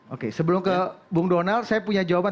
oke sebelum ke bung donald saya punya jawaban